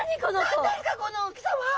何ですかこの大きさは！